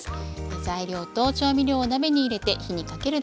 材料と調味料を鍋に入れて火にかけるだけ。